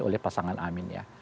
oleh pasangan amin ya